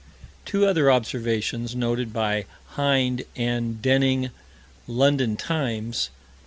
Two other observations noted by Hind and Denning London Times, Nov.